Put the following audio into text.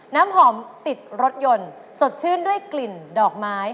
น้ำหอมติดรถยนต์สดชื่นด้วยกลิ่นดอกไม้